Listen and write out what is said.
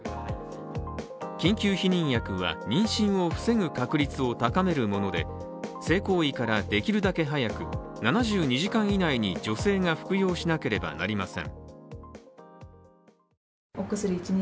緊急避妊薬は妊娠を防ぐ確率を高めるもので性行為からできるだけ早く、７２時間以内に女性が服用しなければなりません。